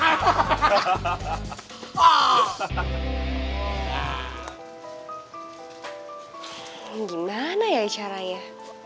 ini gimana ya caranya